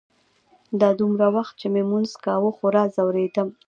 دا دونه وخت چې مې لمونځ کاوه خورا ځورېدم.